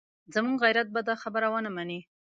زموږ غیرت به دا خبره ونه مني.